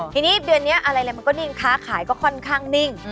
ทีนี้เดือนนี้อะไรมันก็นิ่งค้าขายก็ค่อนข้างนิ่ง